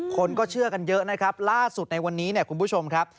คนก็เชื่อกันเยอะนะครับล่าสุดในวันนี้เนี่ยคุณผู้ชมครับ